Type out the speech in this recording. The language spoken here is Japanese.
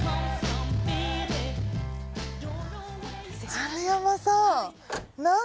春山さん！